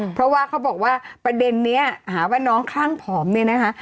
เพราะว่าเขาบอกว่าประเด็นนี้หาว่าน้องคลั่งผอมเนี่ยนะคะ